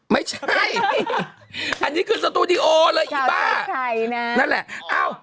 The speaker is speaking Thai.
ไม่ใช่อันนี้คือสตูดิโอเลยอีบ้าข่าวใส่ไข่น่ะนั่นแหละเอ้า